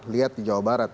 lihat di jawa barat